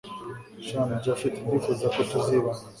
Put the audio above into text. shn japhet ndifuza ko tuzibanira